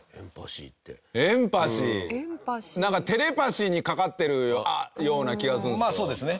なんかテレパシーにかかってるような気がするんですよ。